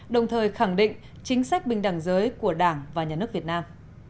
đồng thời khẳng định chính sách bình đẳng giới của đảng và nhà nước việt nam